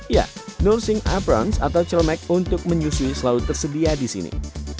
ya norsing aprons atau celemek untuk menyusui selalu tersedia di sini